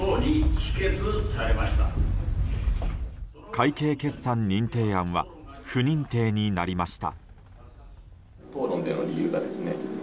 会計決算認定案は不認定になりました。